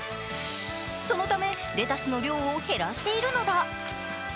そのため、レタスの量を減らしているのだ。